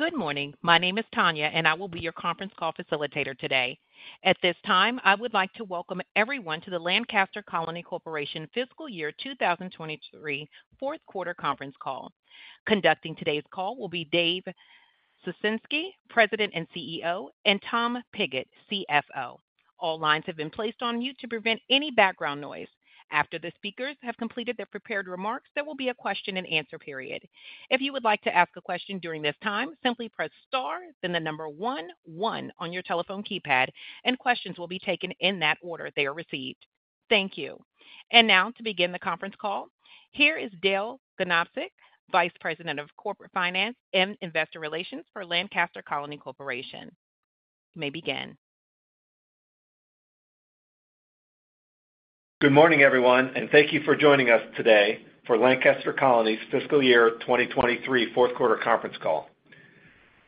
Good morning. My name is Tanya, and I will be your conference call facilitator today. At this time, I would like to welcome everyone to The Marzetti Company Fiscal Year 2023, Q4 conference call. Conducting today's call will be David Ciesinski, President and CEO, and Tom Pigott, CFO. All lines have been placed on mute to prevent any background noise. After the speakers have completed their prepared remarks, there will be a question-and-answer period. If you would like to ask a question during this time, simply press star, then 1, 1 on your telephone keypad, and questions will be taken in that order they are received. Thank you. Now, to begin the conference call, here is Dale Ganobsik, Vice President of Corporate Finance and Investor Relations for The Marzetti Company. You may begin. Good morning, everyone, thank you for joining us today for Lancaster Colony's Fiscal Year 2023, Q4 Conference Call.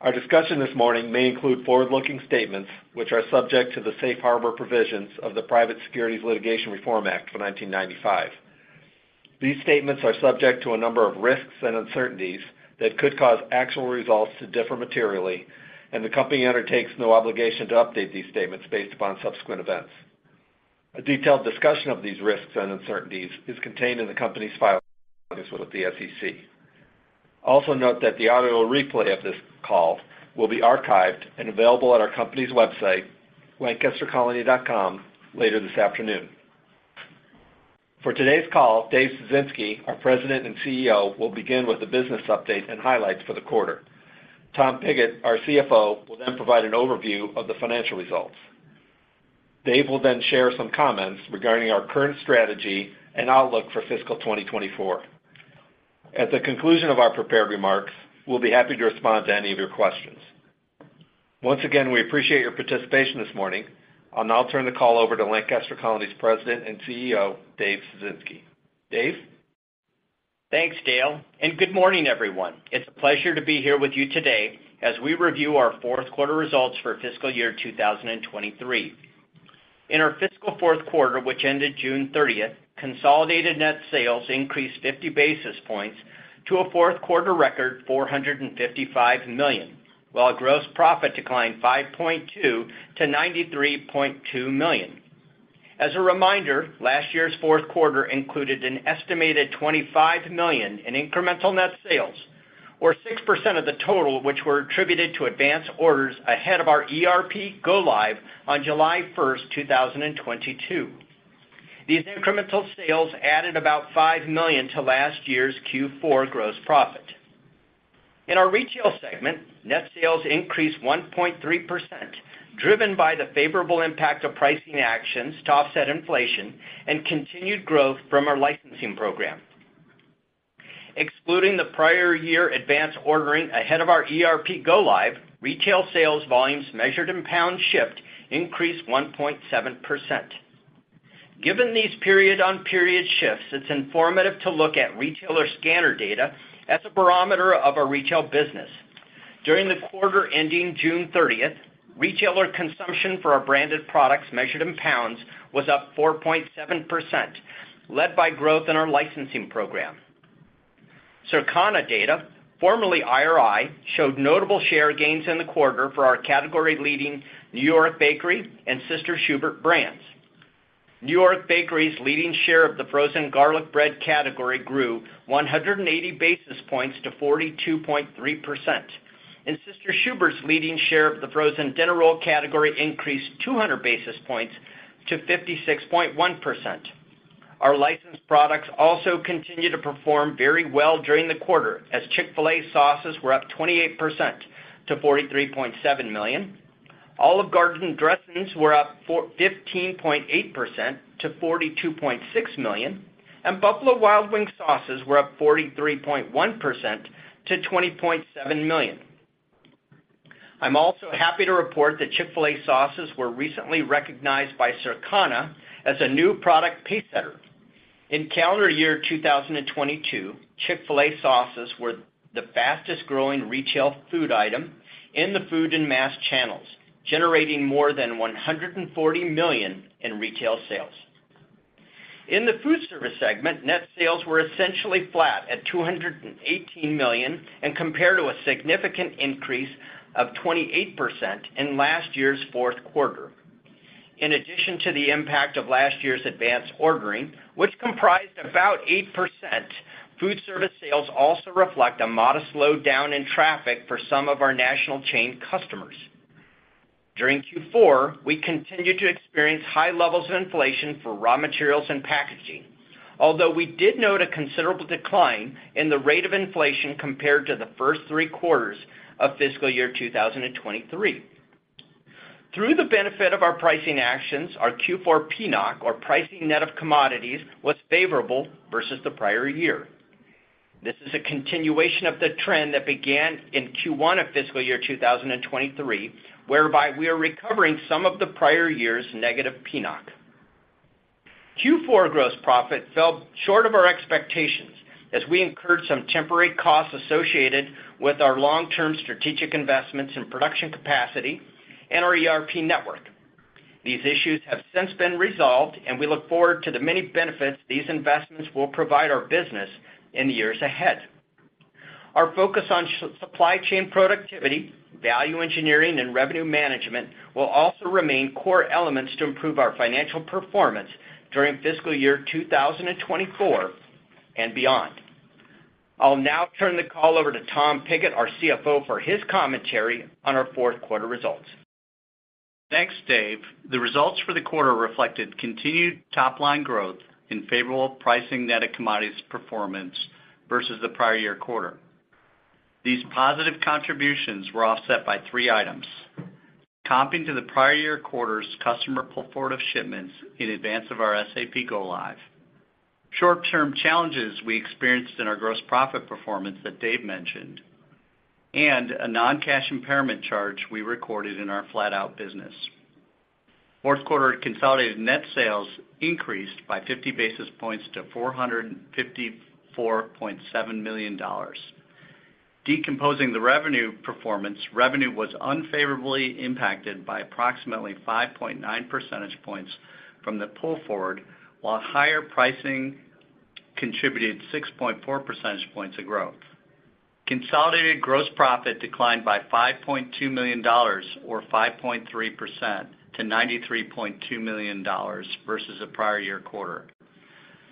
Our discussion this morning may include forward-looking statements which are subject to the safe harbor provisions of the Private Securities Litigation Reform Act of 1995. These statements are subject to a number of risks and uncertainties that could cause actual results to differ materially. The Company undertakes no obligation to update these statements based upon subsequent events. A detailed discussion of these risks and uncertainties is contained in the Company's filings with the SEC. Note that the audio replay of this call will be archived and available at our Company's website, lancastercolony.com, later this afternoon. For today's call, Dave Ciesinski, our President and CEO, will begin with a business update and highlights for the quarter. Tom Pigott, our CFO, will then provide an overview of the financial results. Dave will then share some comments regarding our current strategy and outlook for fiscal 2024. At the conclusion of our prepared remarks, we'll be happy to respond to any of your questions. Once again, we appreciate your participation this morning. I'll now turn the call over to Lancaster Colony's President and CEO, David Ciesinski. Dave? Thanks, Dale. Good morning, everyone. It's a pleasure to be here with you today as we review our Q4 results for fiscal year 2023. In our fiscal Q4, which ended June 30th, consolidated net sales increased 50 basis points to a Q4 record, $455 million, while gross profit declined 5.2% to $93.2 million. As a reminder, last year's Q4 included an estimated $25 million in incremental net sales, or 6% of the total, which were attributed to advanced orders ahead of our ERP go live on July 1st, 2022. These incremental sales added about $5 million to last year's Q4 gross profit. In our retail segment, net sales increased 1.3%, driven by the favorable impact of pricing actions to offset inflation and continued growth from our licensing program. Excluding the prior year advance ordering ahead of our ERP go live, retail sales volumes measured in pound shipped increased 1.7%. Given these period-on-period shifts, it's informative to look at retailer scanner data as a barometer of our retail business. During the quarter ending June 30th, retailer consumption for our branded products, measured in pounds, was up 4.7%, led by growth in our licensing program. Circana data, formerly IRI, showed notable share gains in the quarter for our category-leading New York Bakery and Sister Schubert's brands. New York Bakery's leading share of the frozen garlic bread category grew 180 basis points to 42.3%, and Sister Schubert's leading share of the frozen dinner roll category increased 200 basis points to 56.1%. Our licensed products also continued to perform very well during the quarter, as Chick-fil-A sauces were up 28% to $43.7 million. Olive Garden dressings were up 15.8% to $42.6 million, and Buffalo Wild Wings sauces were up 43.1% to $20.7 million. I'm also happy to report that Chick-fil-A sauces were recently recognized by Circana as a new product pacesetter. In calendar year 2022, Chick-fil-A sauces were the fastest growing retail food item in the food and mass channels, generating more than $140 million in retail sales. In the food service segment, net sales were essentially flat at $218 million and compared to a significant increase of 28% in last year's Q4. In addition to the impact of last year's advanced ordering, which comprised about 8%, food service sales also reflect a modest slowdown in traffic for some of our national chain customers. During Q4, we continued to experience high levels of inflation for raw materials and packaging, although we did note a considerable decline in the rate of inflation compared to the first three quarters of fiscal year 2023. Through the benefit of our pricing actions, our Q4 PNOC, or Pricing Net of Commodities, was favorable versus the prior year. This is a continuation of the trend that began in Q1 of fiscal year 2023, whereby we are recovering some of the prior year's negative PNOC. Q4 gross profit fell short of our expectations as we incurred some temporary costs associated with our long-term strategic investments in production capacity and our ERP network... These issues have since been resolved, and we look forward to the many benefits these investments will provide our business in the years ahead. Our focus on supply chain productivity, value engineering, and revenue management will also remain core elements to improve our financial performance during fiscal year 2024 and beyond. I'll now turn the call over to Tom Pigott, our CFO, for his commentary on our Q4 results. Thanks, Dave. The results for the quarter reflected continued top-line growth in favorable Pricing Net of Commodities performance versus the prior year quarter. These positive contributions were offset by three items: comping to the prior year quarter's customer pull forward of shipments in advance of our SAP go live, short-term challenges we experienced in our gross profit performance that Dave mentioned, and a non-cash impairment charge we recorded in our Flatout business. Q4 consolidated net sales increased by 50 basis points to $454.7 million. Decomposing the revenue performance, revenue was unfavorably impacted by approximately 5.9 percentage points from the pull forward, while higher pricing contributed 6.4 percentage points of growth. Consolidated gross profit declined by $5.2 million, or 5.3% to $93.2 million versus the prior year quarter.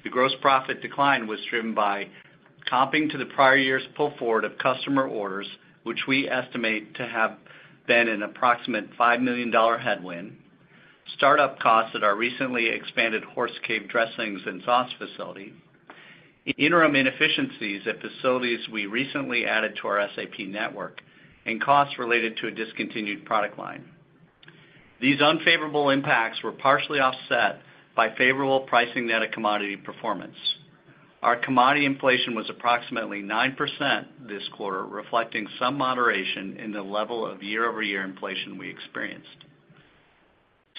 The gross profit decline was driven by comping to the prior year's pull forward of customer orders, which we estimate to have been an approximate $5 million headwind, startup costs at our recently expanded Horse Cave dressings and sauce facility, interim inefficiencies at facilities we recently added to our SAP network, and costs related to a discontinued product line. These unfavorable impacts were partially offset by favorable Pricing Net of Commodities performance. Our commodity inflation was approximately 9% this quarter, reflecting some moderation in the level of year-over-year inflation we experienced.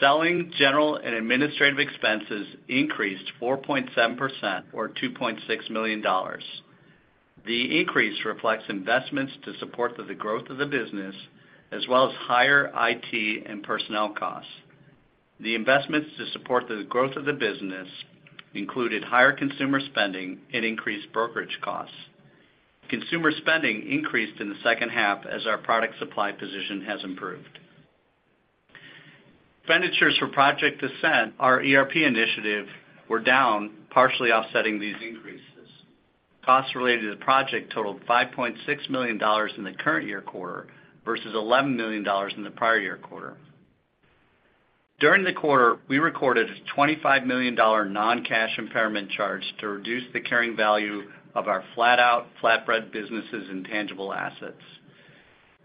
Selling, General, & Administrative expenses increased 4.7% or $2.6 million. The increase reflects investments to support the growth of the business, as well as higher IT and personnel costs. The investments to support the growth of the business included higher consumer spending and increased brokerage costs. Consumer spending increased in the H2 as our product supply position has improved. Expenditures for Project Ascent, our ERP initiative, were down, partially offsetting these increases. Costs related to the project totaled $5.6 million in the current year quarter versus $11 million in the prior year quarter. During the quarter, we recorded a $25 million non-cash impairment charge to reduce the carrying value of our Flatout flatbread businesses and tangible assets.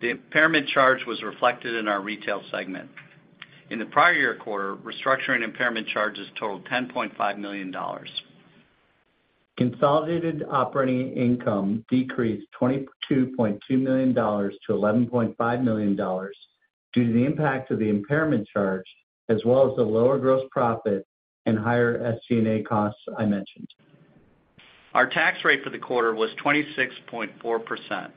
The impairment charge was reflected in our retail segment. In the prior year quarter, restructuring impairment charges totaled $10.5 million. Consolidated operating income decreased $22.2 million to $11.5 million due to the impact of the impairment charge, as well as the lower gross profit and higher SG&A costs I mentioned. Our tax rate for the quarter was 26.4%.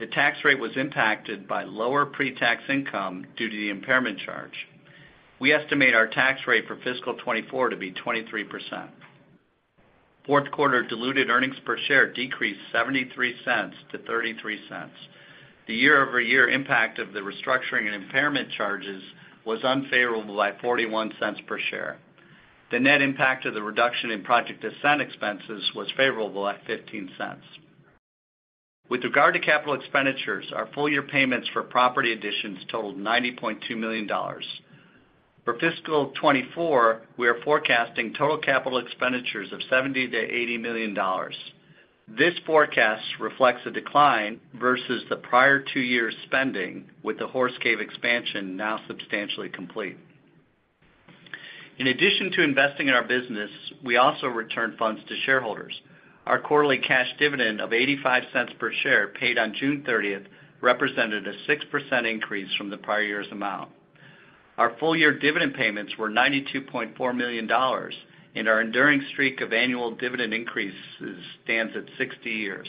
The tax rate was impacted by lower pre-tax income due to the impairment charge. We estimate our tax rate for fiscal 2024 to be 23%. Q4 diluted earnings per share decreased $0.73-$0.33. The year-over-year impact of the restructuring and impairment charges was unfavorable by $0.41 per share. The net impact of the reduction in Project Ascent expenses was favorable at $0.15. With regard to capital expenditures, our full-year payments for property additions totaled $90.2 million. For fiscal 2024, we are forecasting total capital expenditures of $70 million-$80 million. This forecast reflects a decline versus the prior two years spending, with the Horse Cave expansion now substantially complete. In addition to investing in our business, we also returned funds to shareholders. Our quarterly cash dividend of $0.85 per share, paid on June 30th, represented a 6% increase from the prior year's amount. Our full-year dividend payments were $92.4 million, and our enduring streak of annual dividend increases stands at 60 years.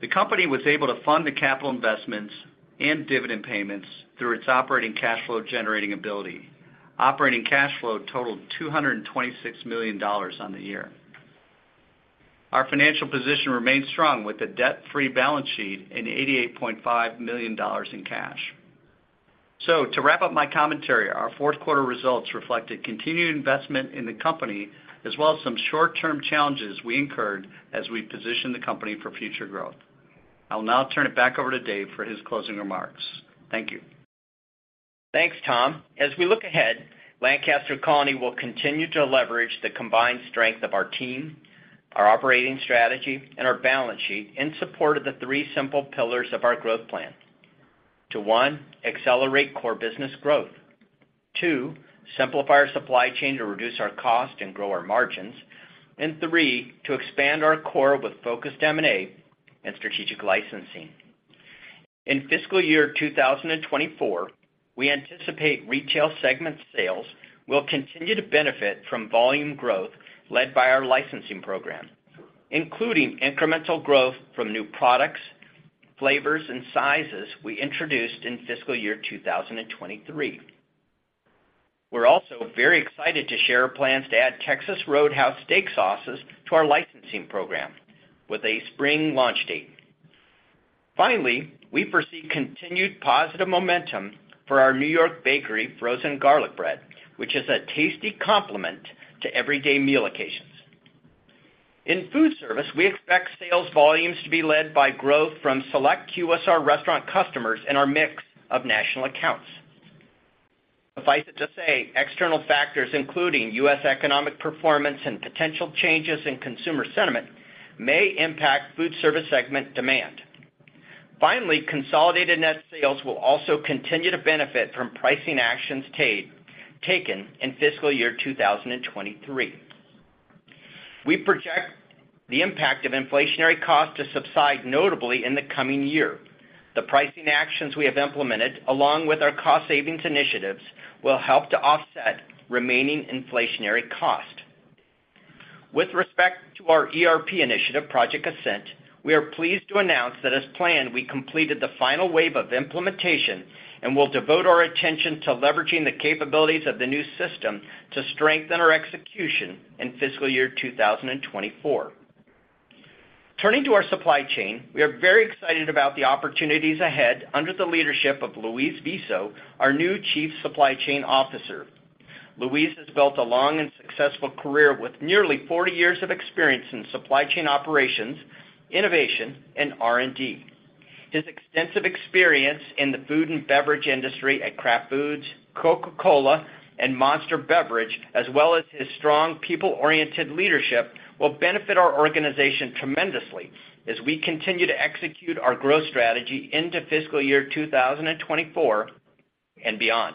The company was able to fund the capital investments and dividend payments through its operating cash flow generating ability. Operating cash flow totaled $226 million on the year. Our financial position remains strong, with a debt-free balance sheet and $88.5 million in cash. To wrap up my commentary, our Q4 results reflected continued investment in the company, as well as some short-term challenges we incurred as we position the company for future growth. I'll now turn it back over to Dave for his closing remarks. Thank you. Thanks, Tom. As we look ahead, Lancaster Colony will continue to leverage the combined strength of our team, our operating strategy, and our balance sheet in support of the three simple pillars of our growth plan. One, accelerate core business growth, two, simplify our supply chain to reduce our cost and grow our margins, and three, to expand our core with focused M&A and strategic licensing. In fiscal year 2024, we anticipate retail segment sales will continue to benefit from volume growth led by our licensing program, including incremental growth from new products, flavors, and sizes we introduced in fiscal year 2023. We're also very excited to share plans to add Texas Roadhouse steak sauces to our licensing program, with a spring launch date. Finally, we foresee continued positive momentum for our New York Bakery frozen garlic bread, which is a tasty complement to everyday meal occasions. In food service, we expect sales volumes to be led by growth from select QSR restaurant customers and our mix of national accounts. Suffice it to say, external factors, including US economic performance and potential changes in consumer sentiment, may impact food service segment demand. Finally, consolidated net sales will also continue to benefit from pricing actions taken in fiscal year 2023. We project the impact of inflationary costs to subside, notably in the coming year. The pricing actions we have implemented, along with our cost savings initiatives, will help to offset remaining inflationary cost. With respect to our ERP initiative, Project Ascent, we are pleased to announce that, as planned, we completed the final wave of implementation and will devote our attention to leveraging the capabilities of the new system to strengthen our execution in fiscal year 2024. Turning to our supply chain, we are very excited about the opportunities ahead under the leadership of Luis Viso, our new Chief Supply Chain Officer. Luis has built a long and successful career with nearly 40 years of experience in supply chain operations, innovation, and R&D. His extensive experience in the food and beverage industry at Kraft Foods, Coca-Cola, and Monster Beverage, as well as his strong people-oriented leadership, will benefit our organization tremendously as we continue to execute our growth strategy into fiscal year 2024 and beyond.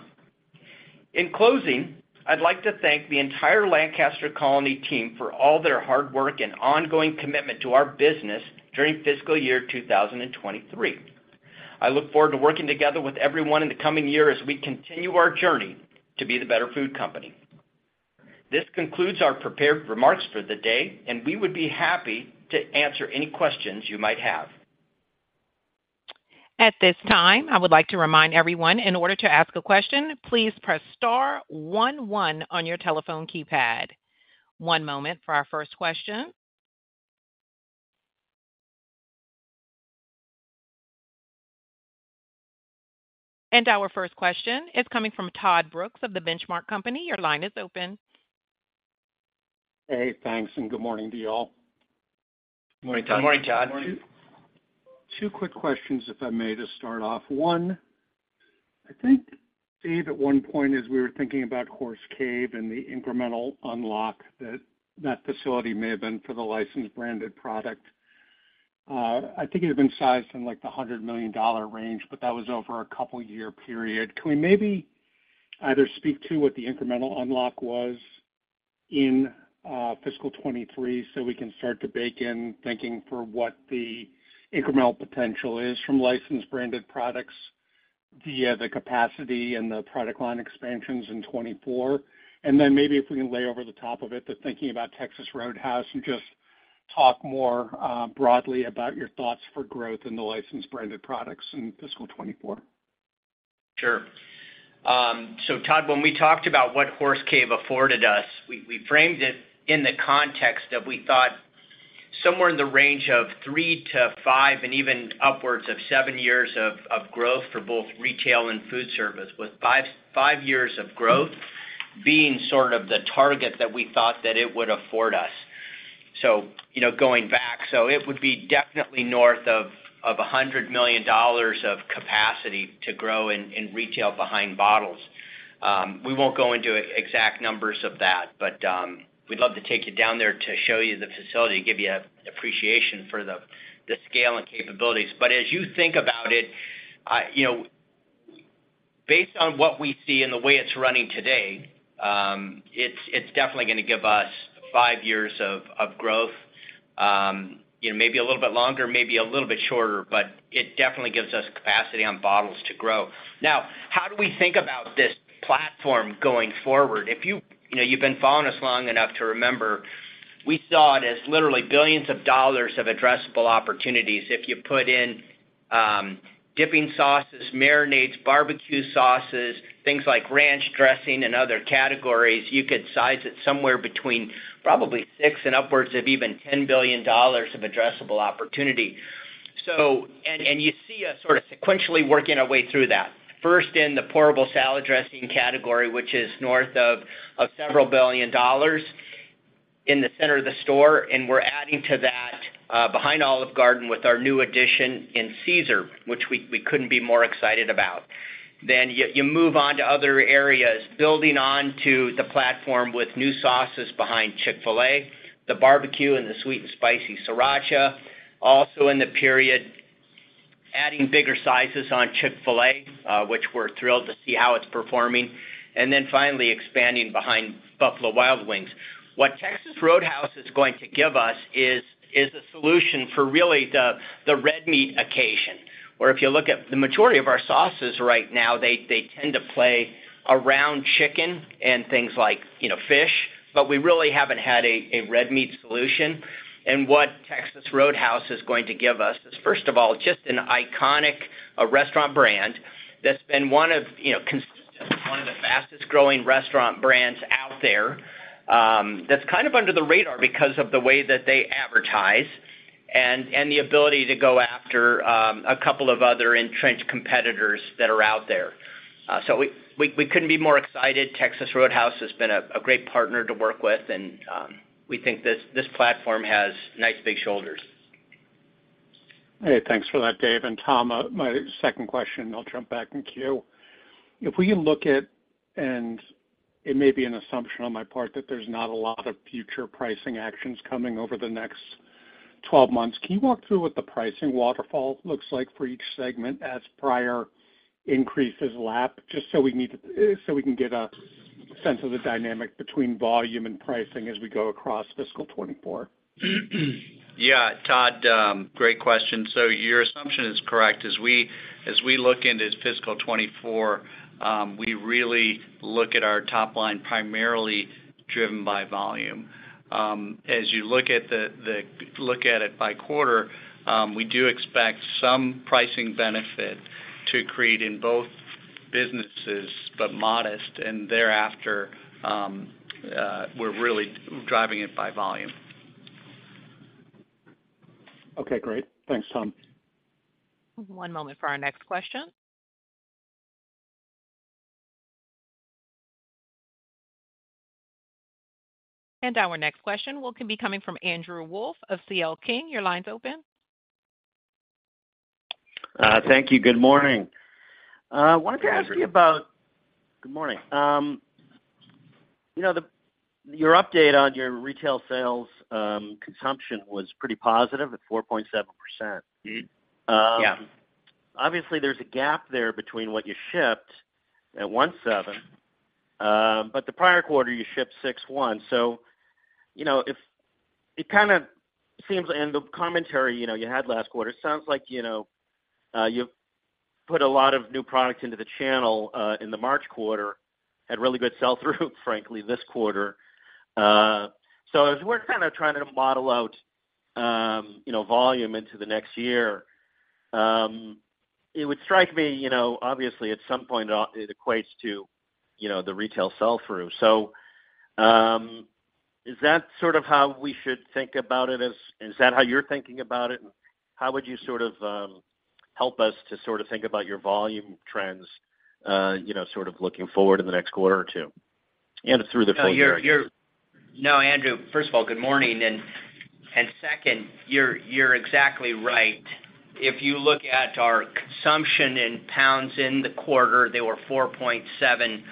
In closing, I'd like to thank the entire Lancaster Colony team for all their hard work and ongoing commitment to our business during fiscal year 2023. I look forward to working together with everyone in the coming year as we continue our journey to be the better food company. This concludes our prepared remarks for the day, and we would be happy to answer any questions you might have. At this time, I would like to remind everyone, in order to ask a question, please press star one one on your telephone keypad. One moment for our first question. Our first question is coming from Todd Brooks of The Benchmark Company. Your line is open. Hey, thanks, and good morning to you all. Good morning, Todd. Good morning, Todd. Two quick questions, if I may, to start off. One, I think, Dave, at one point, as we were thinking about Horse Cave and the incremental unlock, that that facility may have been for the licensed branded product. I think it had been sized in the $100 million range, but that was over a couple of year period. Can we maybe either speak to what the incremental unlock was in fiscal 2023, so we can start to bake in thinking for what the incremental potential is from licensed branded products via the capacity and the product line expansions in 2024? Then maybe if we can lay over the top of it, the thinking about Texas Roadhouse, and just talk more broadly about your thoughts for growth in the licensed branded products in fiscal 2024. Sure. Todd, when we talked about what Horse Cave afforded us, we, we framed it in the context of, we thought somewhere in the range of three to five and even upwards of seven years of, of growth for both retail and food service, with five years of growth being sort of the target that we thought that it would afford us. You know, going back, so it would be definitely north of $100 million of capacity to grow in, in retail behind bottles. We won't go into exact numbers of that, but we'd love to take you down there to show you the facility, and give you an appreciation for the, the scale and capabilities. As you think about it, you know, based on what we see and the way it's running today, it's definitely gonna give us five years of, of growth. You know, maybe a little bit longer, maybe a little bit shorter, but it definitely gives us capacity on bottles to grow. Now, how do we think about this platform going forward? If you, you know, you've been following us long enough to remember, we saw it as literally billions of dollars of addressable opportunities. If you put in, dipping sauces, marinades, barbecue sauces, things like ranch dressing and other categories, you could size it somewhere between probably $6 billion-$10 billion of addressable opportunity. You see us sort of sequentially working our way through that. First in the portable salad dressing category, which is north of, of several billion dollars in the center of the store, we're adding to that, behind Olive Garden with our new addition in Caesar, which we, we couldn't be more excited about. You, you move on to other areas, building on to the platform with new sauces behind Chick-fil-A, the barbecue and the sweet and spicy Sriracha. Also in the period, adding bigger sizes on Chick-fil-A, which we're thrilled to see how it's performing. Then finally expanding behind Buffalo Wild Wings. What Texas Roadhouse is going to give us is a solution for really the red meat occasion. If you look at the majority of our sauces right now they tend to play around chicken and things like, you know, fish, but we really haven't had a, a red meat solution. What Texas Roadhouse is going to give us is, first of all, just an iconic, a restaurant brand that's been one of, you know, consistently one of the fastest-growing restaurant brands out there, that's kind of under the radar because of the way that they advertise and the ability to go after, a couple of other entrenched competitors that are out there. We couldn't be more excited. Texas Roadhouse has been a great partner to work with, and we think this, this platform has nice, big shoulders. Hey, thanks for that, Dave. Tom, my second question, I'll jump back in queue. If we look at, it may be an assumption on my part, that there's not a lot of future pricing actions coming over the next 12 months, can you walk through what the pricing waterfall looks like for each segment as prior increases lap? Just so we can get a sense of the dynamic between volume and pricing as we go across fiscal 2024. Yeah, Todd, great question. Your assumption is correct. As we, as we look into fiscal 24, we really look at our top line primarily driven by volume. As you look at the, the, look at it by quarter, we do expect some pricing benefit to create in both businesses, but modest, and thereafter, we're really driving it by volume. Okay, great. Thanks, Tom. One moment for our next question. Our next question will be coming from Andrew Wolf of C.L. King. Your line's open. Thank you. Good morning. Wanted to ask you about- Good morning. Good morning. You know, the, your update on your retail sales, consumption was pretty positive at 4.7%. Yeah. Obviously, there's a gap there between what you shipped at 1.7, but the prior quarter, you shipped 6.1. You know, It kind of seems, and the commentary, you know, you had last quarter, it sounds like you've put a lot of new products into the channel, in the March quarter, had really good sell-through, frankly, this quarter. As we're kind of trying to model out, you know, volume into the next year, it would strike me, you know, obviously, at some point, it equates to, you know, the retail sell-through. Is that sort of how we should think about it? Is that how you're thinking about it? How would you sort of, help us to sort of think about your volume trends, you know, sort of looking forward in the next quarter or two, and through the full year? No, Andrew, first of all, good morning. Second, you're exactly right. If you look at our consumption in pounds in the quarter, they were 4.7.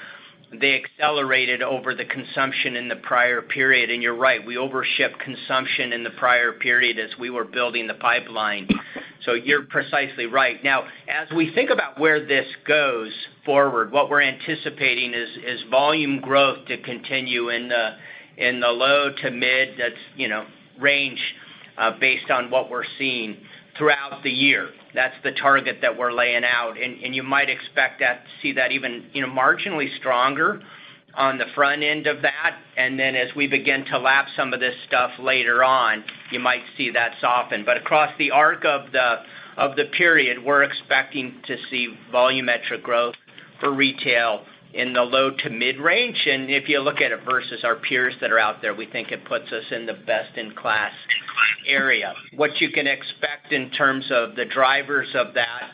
They accelerated over the consumption in the prior period. You're right, we overship consumption in the prior period as we were building the pipeline. You're precisely right. As we think about where this goes forward, what we're anticipating is volume growth to continue in the low to mid, that's, you know, range based on what we're seeing throughout the year. That's the target that we're laying out. You might expect that to see that even, you know, marginally stronger on the front end of that. Then as we begin to lap some of this stuff later on, you might see that soften. Across the arc of the, of the period, we're expecting to see volumetric growth for retail in the low to mid-range. If you look at it versus our peers that are out there, we think it puts us in the best-in-class area. What you can expect in terms of the drivers of that,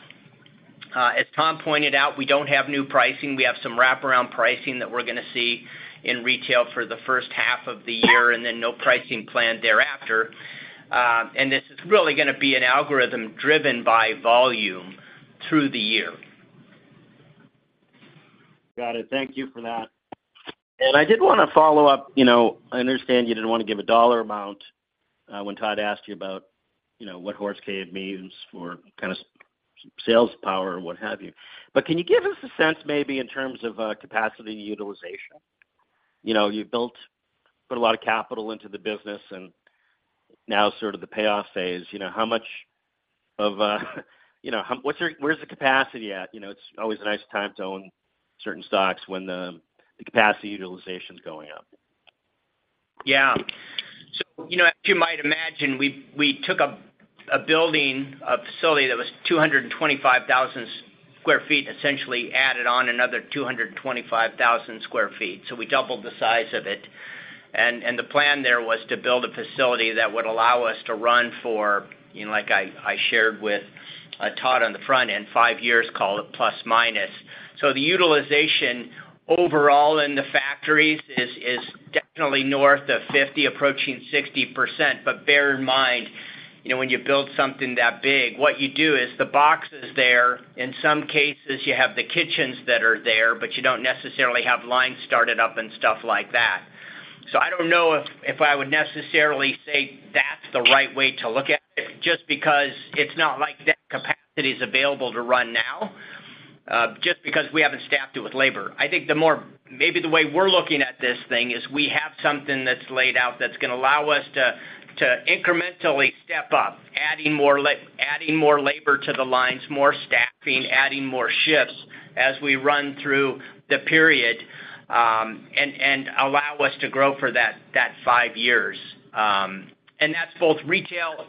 as Tom pointed out, we don't have new pricing. We have some wraparound pricing that we're gonna see in retail for the H1 of the year, and then no pricing plan thereafter. This is really gonna be an algorithm driven by volume through the year. Got it. Thank you for that. I did wanna follow up, you know, I understand you didn't want to give a dollar amount, when Todd asked you about, you know, what Horse Cave means for kind of sales power or what have you. Can you give us a sense, maybe in terms of capacity utilization? You know, you've built, put a lot of capital into the business, and now sort of the payoff phase, you know, how much of, you know, where's the capacity at? You know, it's always a nice time to own certain stocks when the capacity utilization is going up. Yeah. You know, as you might imagine we took a, a building, a facility that was 225,000 sq ft, essentially added on another 225,000 sq ft. We doubled the size of it. The plan there was to build a facility that would allow us to run for, you know, like I shared with Todd on the front end five years, call it plus minus. The utilization overall in the factories is, is definitely north of 50%, approaching 60%. Bear in mind, you know, when you build something that big, what you do is the box is there. In some cases, you have the kitchens that are there, but you don't necessarily have lines started up and stuff like that. I don't know if, if I would necessarily say that's the right way to look at it, just because it's not like that capacity is available to run now, just because we haven't staffed it with labor. I think the more, maybe the way we're looking at this thing is we have something that's laid out that's gonna allow us to, to incrementally step up, adding more labor to the lines, more staffing, adding more shifts as we run through the period, and, and allow us to grow for that five years. And that's both retail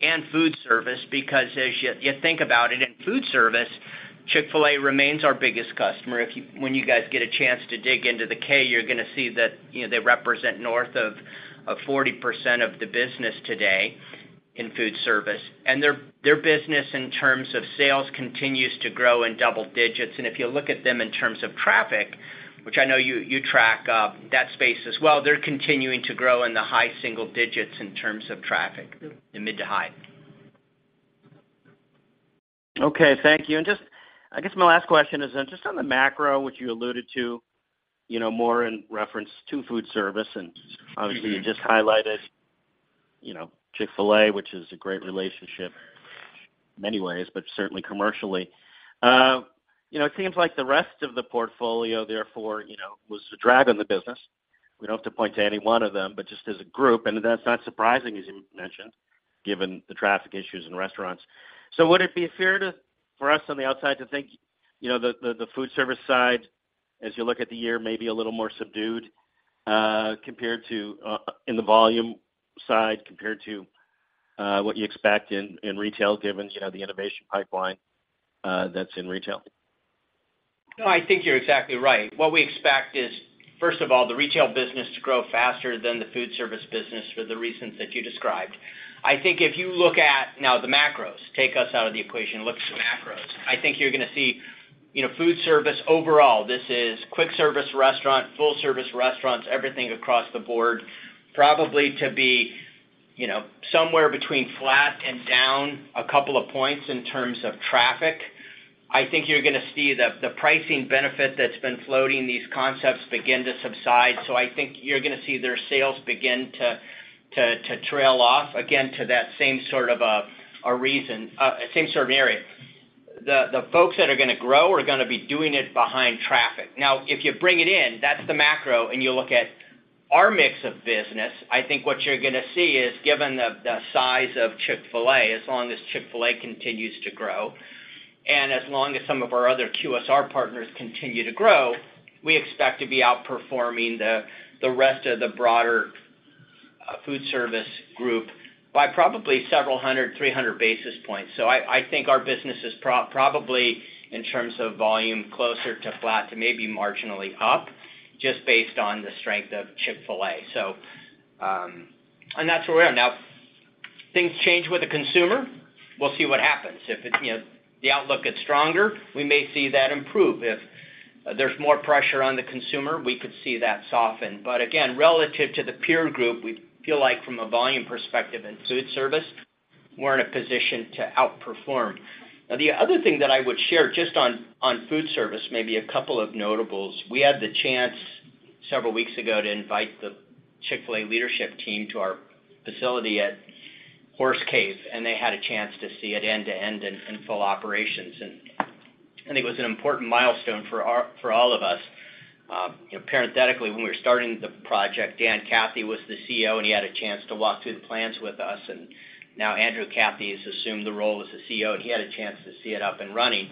and food service, because as you think about it, in food service, Chick-fil-A remains our biggest customer. If you-- when you guys get a chance to dig into the K, you're gonna see that, you know, they represent north of, of 40% of the business today in food service. Their, their business in terms of sales, continues to grow in double digits. If you look at them in terms of traffic, which I know you track, that space as well, they're continuing to grow in the high single digits in terms of traffic, in mid to high. Okay, thank you. Just, I guess my last question is, just on the macro, which you alluded to, you know, more in reference to food service, and obviously, you just highlighted, you know, Chick-fil-A, which is a great relationship in many ways, but certainly commercially. You know, it seems like the rest of the portfolio, therefore, you know, was a drag on the business. We don't have to point to any one of them, but just as a group, and that's not surprising, as you mentioned, given the traffic issues in restaurants. Would it be fair to, for us on the outside to think, you know, the, the food service side, as you look at the year, may be a little more subdued, compared to, in the volume side, compared to, what you expect in, in retail, given, you know, the innovation pipeline, that's in retail? No, I think you're exactly right. What we expect is, first of all, the retail business to grow faster than the food service business for the reasons that you described. I think if you look at now the macros, take us out of the equation, look at the macros, I think you're gonna see, you know, food service overall, this is quick service restaurant, full service restaurants, everything across the board, probably to be, you know, somewhere between flat and down a couple of points in terms of traffic. I think you're gonna see the, the pricing benefit that's been floating these concepts begin to subside. I think you're gonna see their sales begin to trail off, again, to that same sort of a, a reason, same sort of area. The, the folks that are gonna grow are gonna be doing it behind traffic. If you bring it in, that's the macro, and you look at our mix of business, I think what you're gonna see is, given the size of Chick-fil-A, as long as Chick-fil-A continues to grow, and as long as some of our other QSR partners continue to grow, we expect to be outperforming the rest of the broader food service group by probably several hundred, 300 basis points. I think our business is probably, in terms of volume, closer to flat, to maybe marginally up, just based on the strength of Chick-fil-A. And that's where we are. Things change with the consumer. We'll see what happens. If, you know, the outlook gets stronger, we may see that improve. If there's more pressure on the consumer, we could see that soften. Again, relative to the peer group, we feel like from a volume perspective in food service, we're in a position to outperform. The other thing that I would share, just on food service, maybe a couple of notables. We had the chance several weeks ago to invite the Chick-fil-A leadership team to our facility at Horse Cave, and they had a chance to see it end-to-end in full operations. It was an important milestone for all of us. Parenthetically, when we were starting the project, Dan Cathy was the CEO, and he had a chance to walk through the plants with us, now Andrew Cathy has assumed the role as the CEO, he had a chance to see it up and running.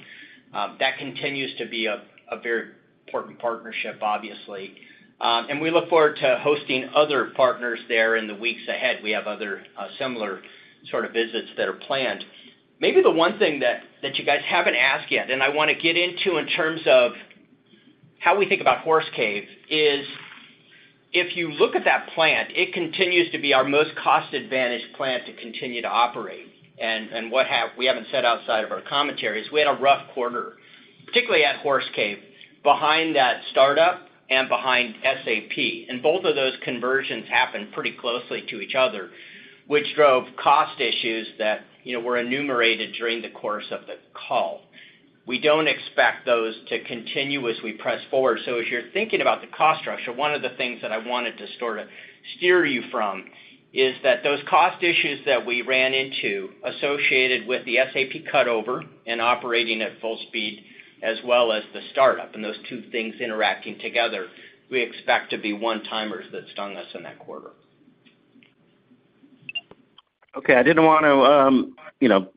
That continues to be a very important partnership, obviously, we look forward to hosting other partners there in the weeks ahead. We have other, similar sort of visits that are planned. Maybe the one thing that, that you guys haven't asked yet, and I wanna get into in terms of how we think about Horse Cave, is if you look at that plant, it continues to be our most cost-advantaged plant to continue to operate. What have, we haven't said outside of our commentary, is we had a rough quarter, particularly at Horse Cave, behind that startup and behind SAP. Both of those conversions happened pretty closely to each other, which drove cost issues that, you know, were enumerated during the course of the call. We don't expect those to continue as we press forward. As you're thinking about the cost structure, one of the things that I wanted to sort of steer you from is that those cost issues that we ran into associated with the SAP cutover and operating at full speed, as well as the startup, and those two things interacting together, we expect to be one-timers that stung us in that quarter. Okay, I didn't want to, you know,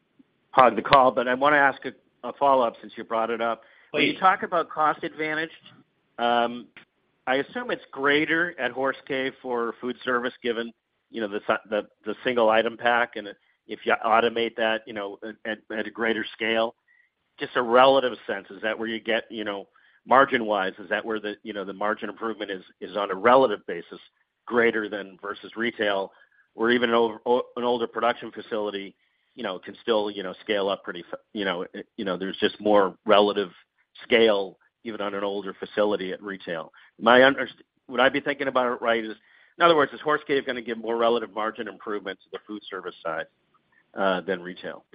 hog the call, but I wanna ask a, a follow-up since you brought it up. Please. When you talk about cost advantage, I assume it's greater at Horse Cave for food service, given, you know, the, the single item pack, and if you automate that, you know, at a greater scale. Just a relative sense, is that where you get, you know, margin-wise, is that where the, you know, the margin improvement is, is on a relative basis, greater than versus retail? Or even an older production facility, you know, can still, you know, scale up pretty, you know, there's just more relative scale, even on an older facility at retail. My would I be thinking about it right, is? In other words, is Horse Cave gonna give more relative margin improvement to the food service side, than retail?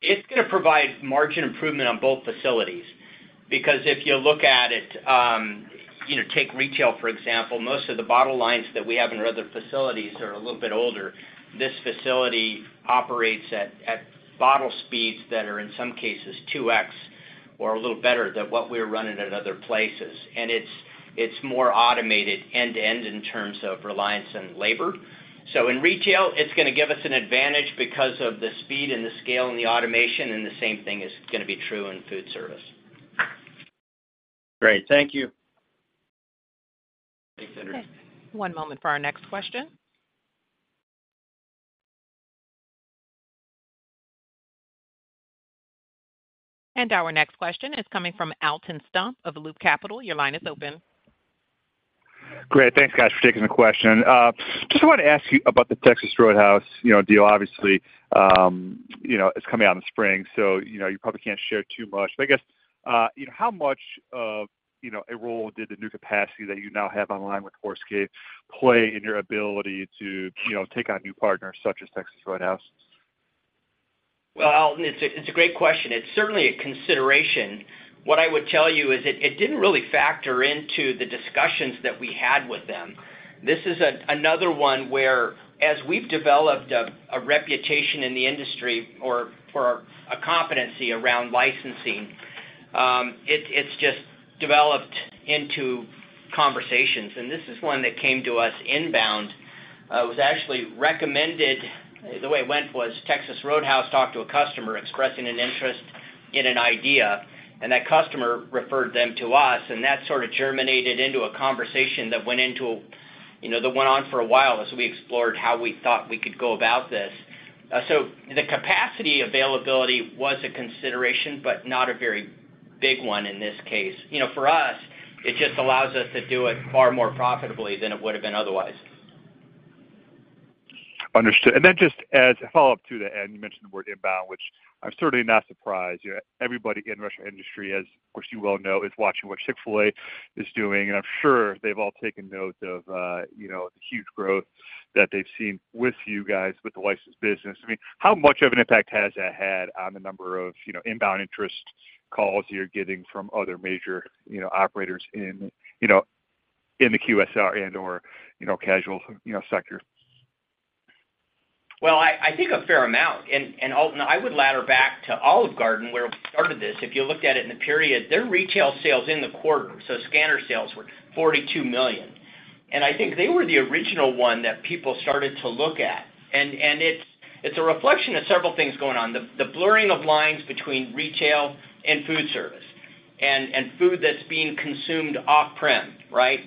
It's gonna provide margin improvement on both facilities. Because if you look at it, you know, take retail, for example, most of the bottle lines that we have in other facilities are a little bit older. This facility operates at, at bottle speeds that are, in some cases, 2x or a little better than what we're running at other places. It's, it's more automated end-to-end in terms of reliance on labor. In retail, it's gonna give us an advantage because of the speed and the scale and the automation, and the same thing is gonna be true in food service. Great. Thank you. Thanks, Andrew. One moment for our next question. Our next question is coming from Alton Stump of Loop Capital. Your line is open. Great. Thanks, guys, for taking the question. Just wanted to ask you about the Texas Roadhouse, you know, deal. Obviously, you know, it's coming out in the spring, so you know, you probably can't share too much. I guess, you know, how much of, you know, a role did the new capacity that you now have online with Horse Cave play in your ability to, you know, take on new partners such as Texas Roadhouse? Well, Alton, it's a great question. It's certainly a consideration. What I would tell you is it, it didn't really factor into the discussions that we had with them. This is another one where, as we've developed a reputation in the industry or for a competency around licensing, it's just developed into conversations. This is one that came to us inbound. It was actually recommended... The way it went was Texas Roadhouse talked to a customer expressing an interest in an idea, and that customer referred them to us, and that sort of germinated into a conversation that went into, you know, that went on for a while as we explored how we thought we could go about this. The capacity availability was a consideration, but not a very big one in this case. You know, for us, it just allows us to do it far more profitably than it would have been otherwise. Understood. Then just as a follow-up to the end, you mentioned the word inbound, which I'm certainly not surprised. You know, everybody in restaurant industry, as of course you well know, is watching what Chick-fil-A is doing, and I'm sure they've all taken note of, you know, the huge growth that they've seen with you guys with the licensed business. I mean, how much of an impact has that had on the number of, you know, inbound interest calls you're getting from other major, you know, operators in, you know, in the QSR and or, you know, casual, you know, sector? Well, I think a fair amount. Alton, I would ladder back to Olive Garden, where we started this. If you looked at it in the period, their retail sales in the quarter, so scanner sales were $42 million. I think they were the original one that people started to look at. It's, it's a reflection of several things going on. The, the blurring of lines between retail and food service and food that's being consumed off-prem, right?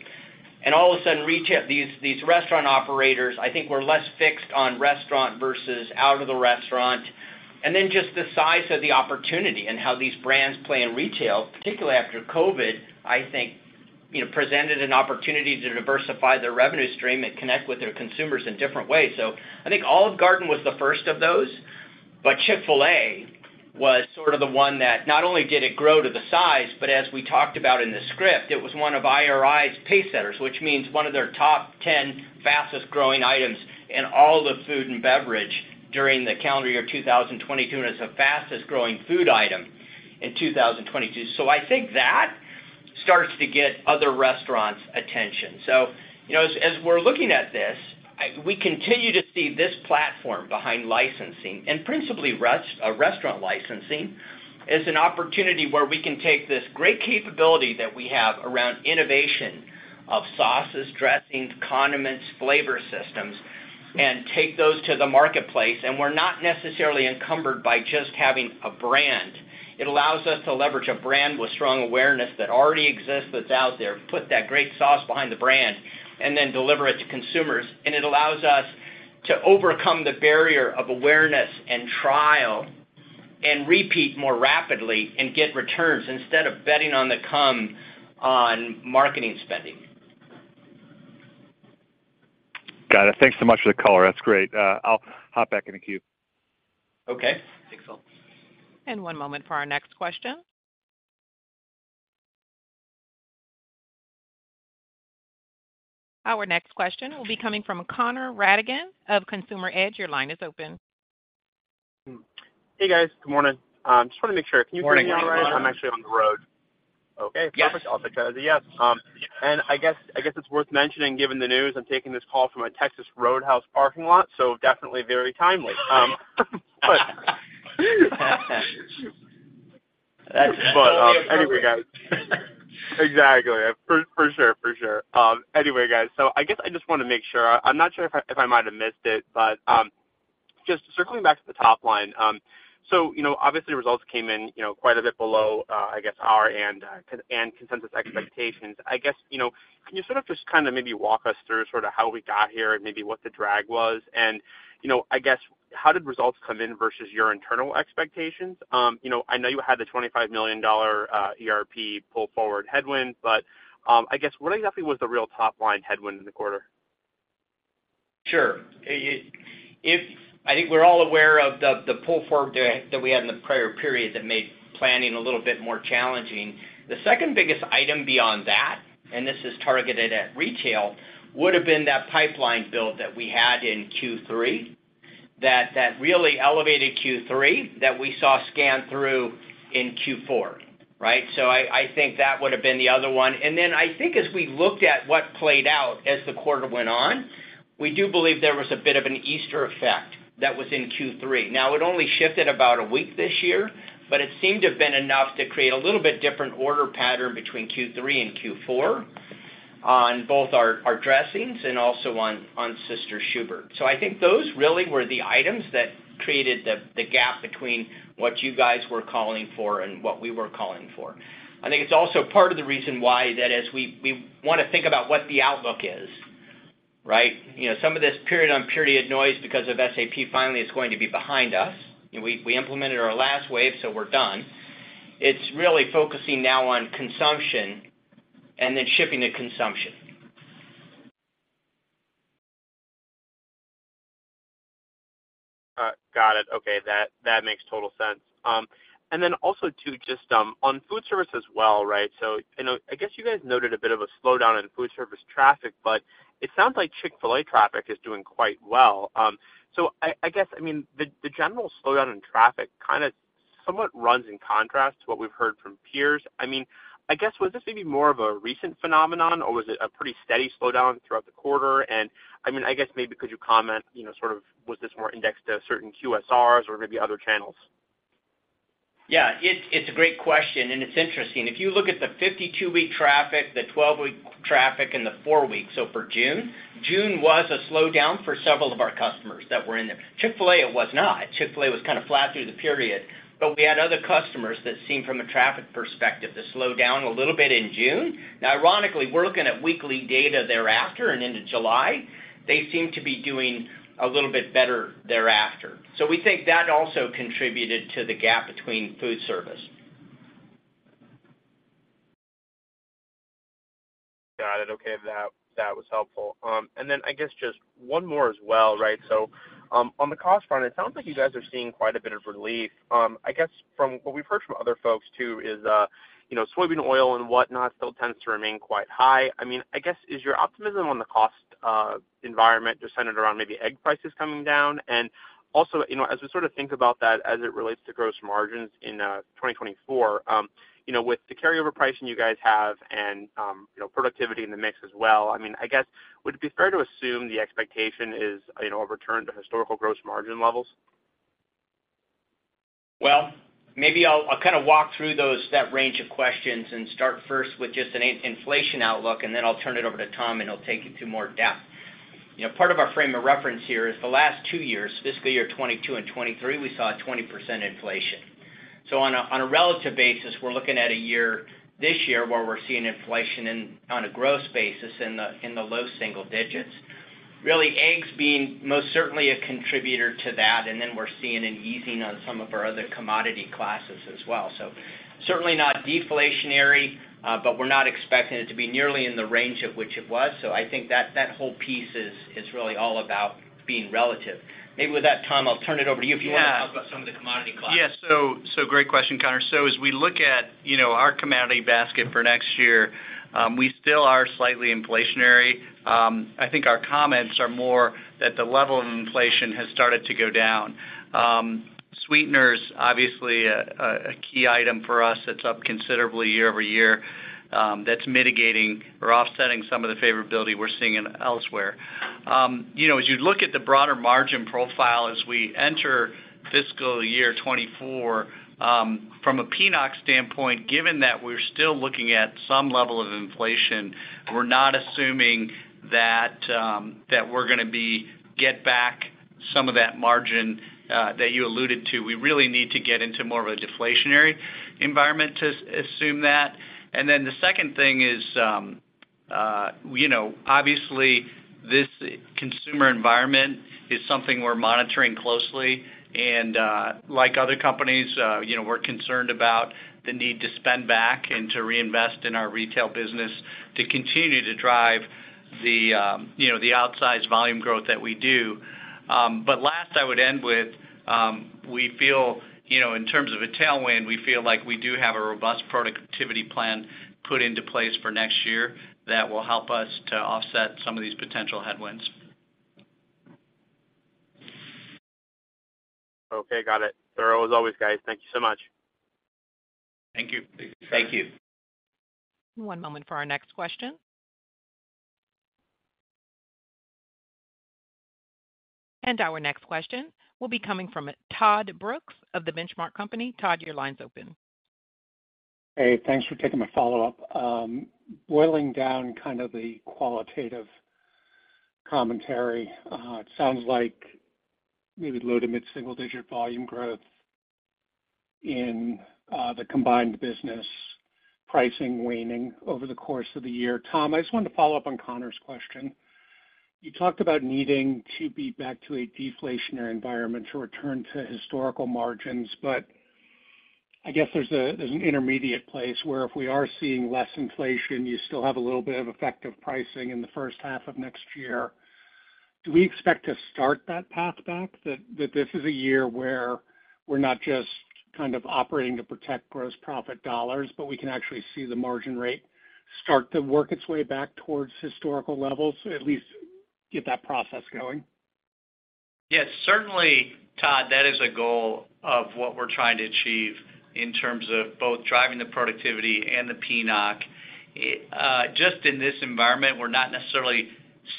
All of a sudden, retail, these, these restaurant operators, I think, were less fixed on restaurant versus out of the restaurant. Just the size of the opportunity and how these brands play in retail, particularly after COVID, I think, you know, presented an opportunity to diversify their revenue stream and connect with their consumers in different ways. I think Olive Garden was the first of those, but Chick-fil-A was sort of the one that not only did it grow to the size, but as we talked about in the script, it was one of IRI's pacesetters, which means one of their top 10 fastest-growing items in all of food and beverage during the calendar year 2022, and it's the fastest-growing food item in 2022. I think that starts to get other restaurants' attention. You know, as we're looking at this, we continue to see this platform behind licensing, and principally restaurant licensing, as an opportunity where we can take this great capability that we have around innovation of sauces, dressings, condiments, flavor systems, and take those to the marketplace. We're not necessarily encumbered by just having a brand. It allows us to leverage a brand with strong awareness that already exists, that's out there, put that great sauce behind the brand, and then deliver it to consumers. It allows us to overcome the barrier of awareness and trial, and repeat more rapidly and get returns instead of betting on the come on marketing spending. Got it. Thanks so much for the color. That's great. I'll hop back in the queue. Okay. Thanks, Alton. One moment for our next question. Our next question will be coming from Connor Rattigan of Consumer Edge. Your line is open. Hey, guys. Good morning. just want to make sure. Good morning. Can you hear me all right? I'm actually on the road. Okay, perfect. Yes. I'll take that as a yes. I guess, I guess it's worth mentioning, given the news, I'm taking this call from a Texas Roadhouse parking lot, so definitely very timely. That's- Guys. Exactly. For, for sure. For sure. Guys, I guess I just want to make sure. I'm not sure if I might have missed it, just circling back to the top line. You know, obviously, results came in, you know, quite a bit below, I guess, our and consensus expectations. I guess, you know, can you sort of just kind of maybe walk us through sort of how we got here and maybe what the drag was? You know, I guess, how did results come in versus your internal expectations? You know, I know you had the $25 million ERP pull forward headwind, I guess, what exactly was the real top-line headwind in the quarter? Sure. I think we're all aware of the, the pull forward that, that we had in the prior period that made planning a little bit more challenging. The second biggest item beyond that, this is targeted at retail, would have been that pipeline build that we had in Q3. that, that really elevated Q3 that we saw scan through in Q4, right? I, I think that would have been the other one. Then I think as we looked at what played out as the quarter went on, we do believe there was a bit of an Easter effect that was in Q3. Now, it only shifted about a week this year, but it seemed to have been enough to create a little bit different order pattern between Q3 and Q4 on both our, our dressings and also on, on Sister Schubert's. I think those really were the items that created the gap between what you guys were calling for and what we were calling for. I think it's also part of the reason why that as we wanna think about what the outlook is, right? You know, some of this period-on-period noise because of SAP finally is going to be behind us. We implemented our last wave, so we're done. It's really focusing now on consumption and then shipping to consumption. Got it. Okay, that, that makes total sense. Also too, just on food service as well, right? You know, I guess you guys noted a bit of a slowdown in food service traffic, but it sounds like Chick-fil-A traffic is doing quite well. I guess, I mean, the, the general slowdown in traffic kind of somewhat runs in contrast to what we've heard from peers. I mean, I guess, was this maybe more of a recent phenomenon, or was it a pretty steady slowdown throughout the quarter? I mean, I guess maybe could you comment, you know, sort of, was this more indexed to certain QSRs or maybe other channels? Yeah, it's a great question, and it's interesting. If you look at the 52-week traffic, the 12-week traffic, and the four weeks, so for June, June was a slowdown for several of our customers that were in there. Chick-fil-A, it was not. Chick-fil-A was kind of flat through the period, but we had other customers that seemed, from a traffic perspective, to slow down a little bit in June. Now, ironically, we're looking at weekly data thereafter and into July. They seem to be doing a little bit better thereafter. We think that also contributed to the gap between food service. Got it. Okay, that, that was helpful. Then I guess just one more as well, right? On the cost front, it sounds like you guys are seeing quite a bit of relief. I guess from what we've heard from other folks, too, is, you know, soybean oil and whatnot still tends to remain quite high. I mean, I guess, is your optimism on the cost environment just centered around maybe egg prices coming down? Also, you know, as we sort of think about that as it relates to gross margins in 2024, you know, with the carryover pricing you guys have and, you know, productivity in the mix as well, I mean, I guess, would it be fair to assume the expectation is, you know, a return to historical gross margin levels? Maybe I'll, I'll kind of walk through those, that range of questions and start first with just an in-inflation outlook, and then I'll turn it over to Tom, and he'll take you through more depth. You know, part of our frame of reference here is the last two years, fiscal year 2022 and 2023, we saw a 20% inflation. On a, on a relative basis, we're looking at a year, this year, where we're seeing inflation in, on a growth basis in the, in the low single digits. Really, eggs being most certainly a contributor to that, and then we're seeing an easing on some of our other commodity classes as well. Certainly not deflationary, but we're not expecting it to be nearly in the range at which it was. I think that whole piece is, is really all about being relative. Maybe with that, Tom, I'll turn it over to you if you wanna talk about some of the commodity classes. Yes. So, great question, Connor. As we look at, you know, our commodity basket for next year, we still are slightly inflationary. I think our comments are more that the level of inflation has started to go down. Sweeteners, obviously a key item for us that's up considerably year-over-year, that's mitigating or offsetting some of the favorability we're seeing in elsewhere. You know, as you look at the broader margin profile as we enter fiscal year 2024, from a PNOC standpoint, given that we're still looking at some level of inflation, we're not assuming that we're gonna be, get back some of that margin that you alluded to. We really need to get into more of a deflationary environment to assume that. The second thing is, you know, obviously, this consumer environment is something we're monitoring closely, like other companies, you know, we're concerned about the need to spend back and to reinvest in our retail business to continue to drive the, you know, the outsized volume growth that we do. Last, I would end with, we feel, you know, in terms of a tailwind, we feel like we do have a robust productivity plan put into place for next year that will help us to offset some of these potential headwinds. Okay, got it. Thorough as always, guys. Thank you so much. Thank you. Thank you. One moment for our next question. Our next question will be coming from Todd Brooks of The Benchmark Company. Todd, your line's open. Hey, thanks for taking my follow-up. Boiling down kind of the qualitative commentary, it sounds like maybe low to mid-single-digit volume growth in the combined business, pricing waning over the course of the year. Tom, I just wanted to follow up on Connor's question. You talked about needing to be back to a deflationary environment to return to historical margins, but I guess there's an intermediate place where if we are seeing less inflation, you still have a little bit of effective pricing in the H1 of next year. Do we expect to start that path back? That this is a year where we're not just kind of operating to protect gross profit dollars, but we can actually see the margin rate start to work its way back towards historical levels, at least get that process going? Yes, certainly, Todd, that is a goal of what we're trying to achieve in terms of both driving the productivity and the PNOC. Just in this environment, we're not necessarily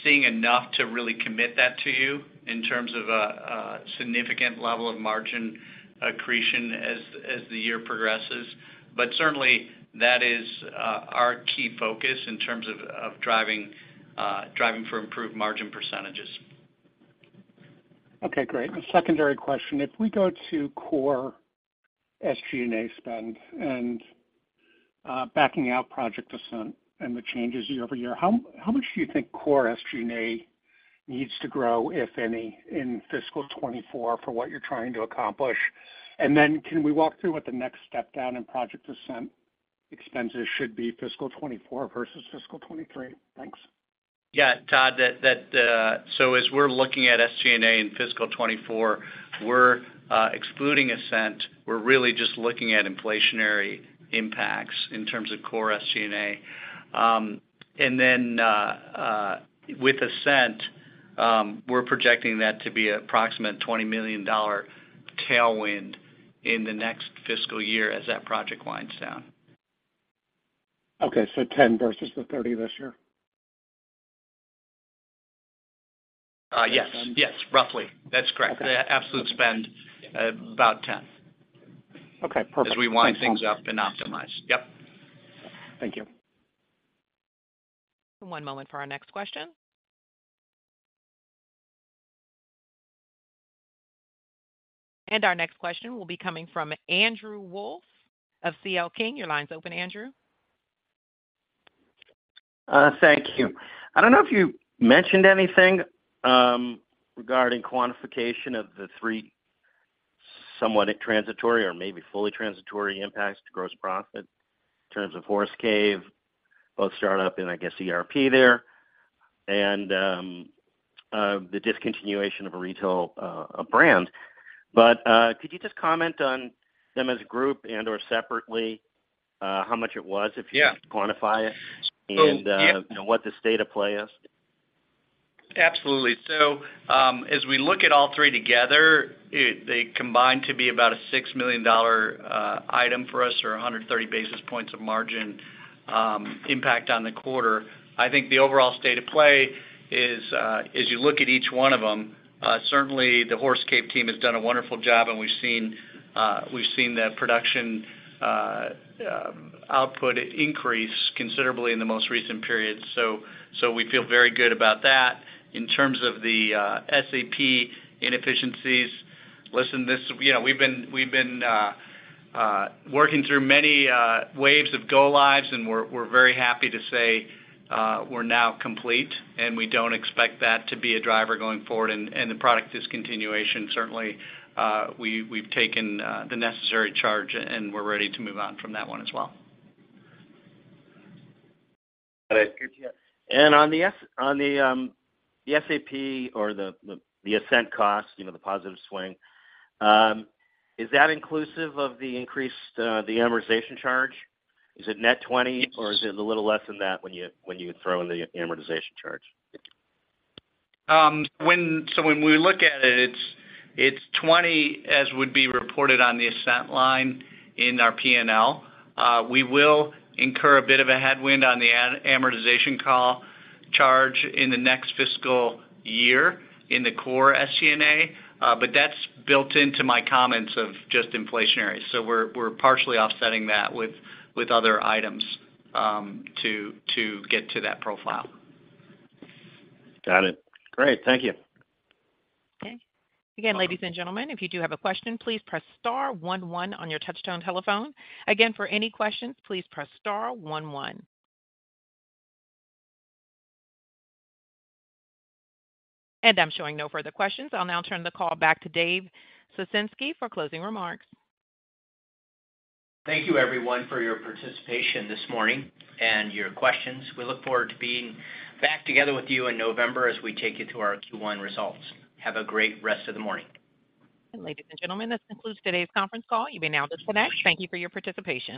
seeing enough to really commit that to you in terms of a significant level of margin accretion as the year progresses. Certainly that is our key focus in terms of driving for improved margin %. Okay, great. A secondary question: If we go to core SG&A spend and backing out Project Ascent and the changes year over year, how, how much do you think core SG&A needs to grow, if any, in fiscal 2024 for what you're trying to accomplish? And then can we walk through what the next step down in Project Ascent expenses should be fiscal 2024 versus fiscal 2023? Thanks. Yeah, Todd, that, as we're looking at SG&A in fiscal 2024, we're excluding Ascent. We're really just looking at inflationary impacts in terms of core SG&A. Then, with Ascent, we're projecting that to be approximate $20 million tailwind in the next fiscal year as that project winds down. Okay, so 10 versus the 30 this year? Yes, roughly. That's correct. Okay. The absolute spend, about $10. Okay, perfect. As we wind things up and optimize. Yep. Thank you. One moment for our next question. Our next question will be coming from Andrew Wolf of C.L. King. Your line's open, Andrew. Thank you. I don't know if you mentioned anything regarding quantification of the three somewhat transitory or maybe fully transitory impacts to gross profit in terms of Horse Cave, both startup and I guess, ERP there, and the discontinuation of a retail brand. Could you just comment on them as a group and/or separately, how much it was, if you could quantify it, and what the state of play is? Absolutely. As we look at all three together, they combine to be about a $6 million item for us, or 130 basis points of margin impact on the quarter. I think the overall state of play is, as you look at each one of them, certainly the Horse Cave team has done a wonderful job, and we've seen, we've seen the production output increase considerably in the most recent period, we feel very good about that. In terms of the SAP inefficiencies, listen, you know, we've been, we've been working through many waves of go-lives, and we're very happy to say, we're now complete, and we don't expect that to be a driver going forward. The product discontinuation, certainly, we, we've taken, the necessary charge, and we're ready to move on from that one as well. On the S- on the, the SAP or the, the, the Ascent cost, you know, the positive swing, is that inclusive of the increased, the amortization charge? Is it net 20, or is it a little less than that when you, when you throw in the amortization charge? When we look at it, it's 20, as would be reported on the Project Ascent line in our P&L. We will incur a bit of a headwind on the amortization call charge in the next fiscal year in the core SG&A, but that's built into my comments of just inflationary. We're partially offsetting that with other items to get to that profile. Got it. Great. Thank you. Okay. Again, ladies and gentlemen, if you do have a question, please press star one one on your touchtone telephone. Again, for any questions, please press star one one. I'm showing no further questions. I'll now turn the call back to Dave Ciesinski for closing remarks. Thank you, everyone, for your participation this morning and your questions. We look forward to being back together with you in November as we take you through our Q1 results. Have a great rest of the morning. Ladies and gentlemen, this concludes today's conference call. You may now disconnect. Thank you for your participation.